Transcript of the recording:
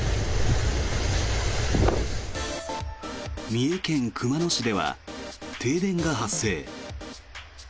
三重県熊野市では停電が発生。